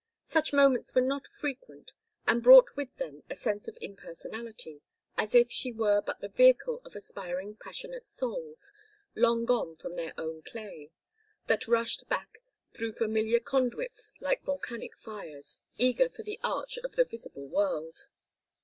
Such moments were not frequent and brought with them a sense of impersonality, as if she were but the vehicle of aspiring passionate souls long gone from their own clay, that rushed back through familiar conduits like volcanic fires, eager for the arch of the visible world.